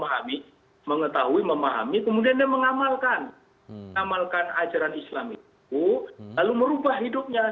tetapi begini apakah hti juga menyadari bahwa indonesia itu adalah bineka beragam